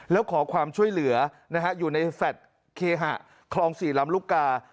แล้วขอความช่วยเหลืออยู่ในแฟลตเคหะคลอง๔ลำลูกกา